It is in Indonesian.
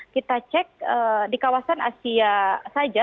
kita cek di kawasan asia saja